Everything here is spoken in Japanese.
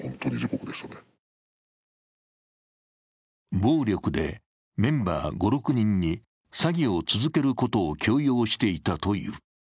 暴力でメンバー５６人に詐欺を続けることを強要していたという。